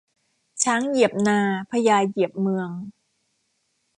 ช้างเหยียบนาพระยาเหยียบเมือง